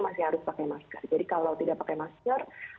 masih harus pakai masker jadi kalau tidak pakai masker